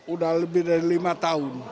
udah lebih dari lima tahun